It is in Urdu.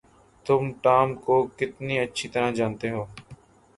تم ٹام کو کتنی اچھی طرح جانتے ہو؟